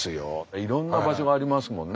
いろんな場所がありますもんね。